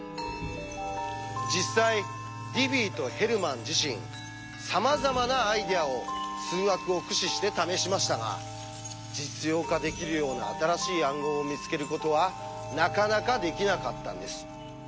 実際ディフィーとヘルマン自身さまざまなアイデアを数学を駆使して試しましたが実用化できるような新しい暗号を見つけることはなかなかできなかったんです。